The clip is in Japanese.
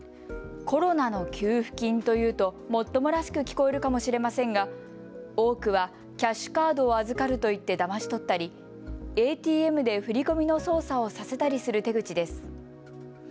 コロナの給付金というともっともらしく聞こえるかもしれませんが多くはキャッシュカードを預かると言ってだまし取ったりＡＴＭで振り込みの操作をさせたりする手口です。